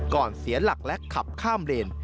เสียหลักและขับข้ามเลน